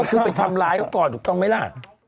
คือไปทำร้ายเขาก่อนถูกต้องไหมล่ะ